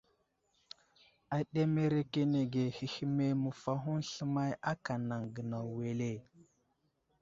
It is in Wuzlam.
Aɗemerekenege hehme məfahoŋ sləmay aka anaŋ gənaw wele ?